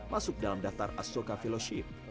masuk dalam daftar ashoka fellowship